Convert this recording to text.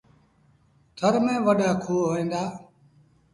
ٿر ميݩ وڏآ کوه هوئيݩ دآ۔